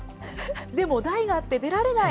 でも台があって出られない。